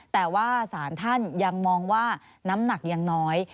แต่ว่าสารท่านยังมองว่าน้ำหนักยังน้อย